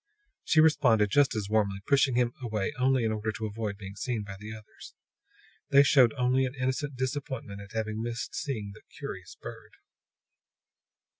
She responded just as warmly, pushing him away only in order to avoid being seen by the others. They showed only an innocent disappointment at having missed seeing the "curious bird."